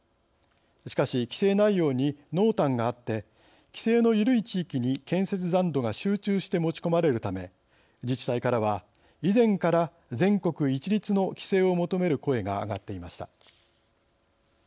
しかし、規制内容に濃淡があって規制の緩い地域に建設残土が集中して持ち込まれるため自治体からは、以前から全国一律の規制を求める声が上がっていました。